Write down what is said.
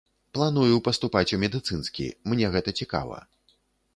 Планую паступаць у медыцынскі, мне гэта цікава.